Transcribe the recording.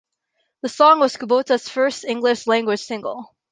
The song was Kubota's first English language single.